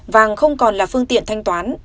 vàng không còn là phương tiện thanh toán